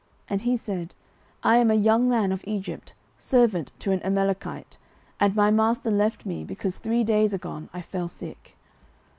And he said, I am a young man of Egypt, servant to an Amalekite; and my master left me, because three days agone I fell sick.